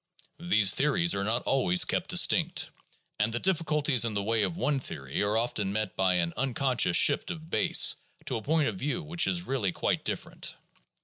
These theories are not always kept distinct, and the difficulties in the way of one theory are often met by an unconscious shift of base to a point of view which is really quite different.